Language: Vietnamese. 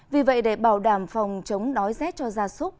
vì vậy để bảo đảm phòng chống đói rét cho gia súc